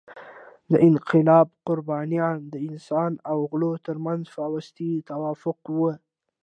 د انقلاب قربانیان د انسان او غلو تر منځ فاوستي توافق وو.